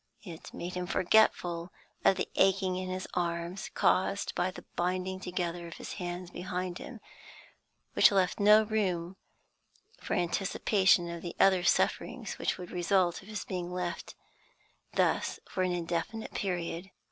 It made him forgetful of the aching in his arms, caused by the binding together of his hands behind him, and left no room for anticipation of the other sufferings which would result from his being left thus for an indefinite period.